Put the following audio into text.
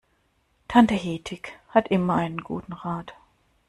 Tante Hedwig hat immer einen guten Rat.